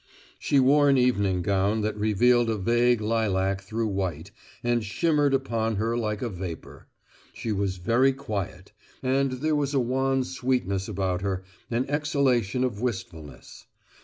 She wore an evening gown that revealed a vague lilac through white, and shimmered upon her like a vapour. She was very quiet; and there was a wan sweetness about her, an exhalation of wistfulness.